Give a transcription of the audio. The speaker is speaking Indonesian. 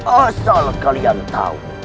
asal kalian tahu